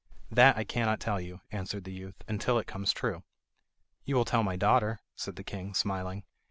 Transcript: "That I cannot tell you," answered the youth, "until it comes true." "You will tell my daughter," said the king, smiling.